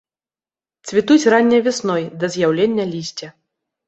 Цвітуць ранняй вясной, да з'яўлення лісця.